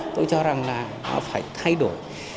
tôi cho rằng là nó phải thay đổi